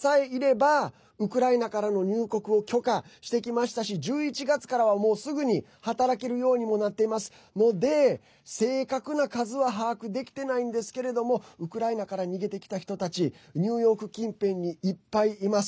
生活をサポートしてくれる知り合いさえいればウクライナからの入国を許可してきましたし１１月からはもう、すぐに働けるようにもなっていますので正確な数は把握できてないんですけれどもウクライナから逃げてきた人たちニューヨーク近辺にいっぱいいます。